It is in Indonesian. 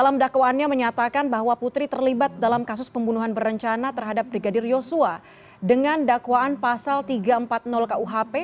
persidangan perdana kasus pembunuhan brigadir yosua dengan terdakwa putri candrawati